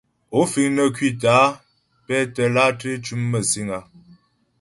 Ó fíŋ nə́ ŋkwítə́ á pɛ́tə́ látré ntʉ́mə məsìŋ áá ?